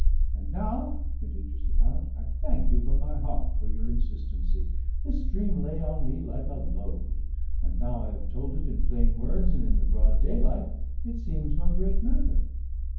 And now,' continues the count, 'I thank you from my heart for your insistency. This dream lay on me like a load; and now I have told it in plain words and in the broad daylight, it seems no great matter.'